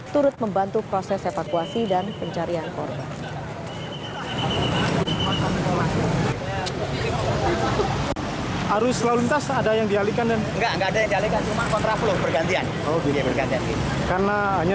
turut membantu proses evakuasi dan pencarian korban